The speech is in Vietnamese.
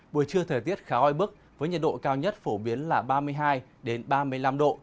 buổi trưa thời tiết khá oi bức với nhiệt độ cao nhất phổ biến là ba mươi hai ba mươi năm độ